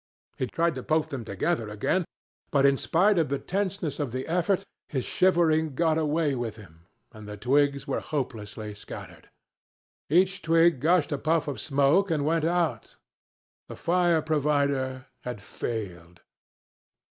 He tried to poke them together again, but in spite of the tenseness of the effort, his shivering got away with him, and the twigs were hopelessly scattered. Each twig gushed a puff of smoke and went out. The fire provider had failed.